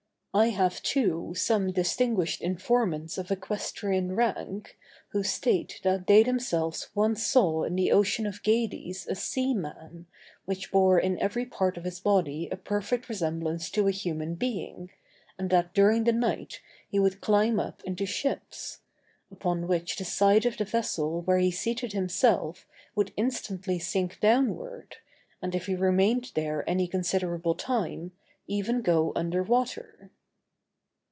I have, too, some distinguished informants of equestrian rank, who state that they themselves once saw in the ocean of Gades a sea man, which bore in every part of his body a perfect resemblance to a human being, and that during the night he would climb up into ships; upon which the side of the vessel where he seated himself would instantly sink downward, and if he remained there any considerable time, even go under water.